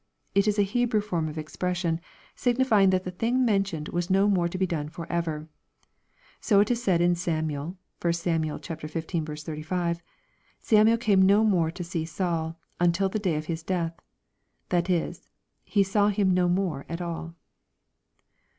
It is a Hebrew form of expression, signifying that the thing mentioned was no more to be done forever. So it is said in Samuel, (1 Sam. xv. 35) ' Samuel came no more to see Saul until the day of his deaths' That is, he saw him no more at all."